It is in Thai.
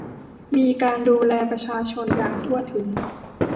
มีการดูแลประชาชนอย่างทั่วถึง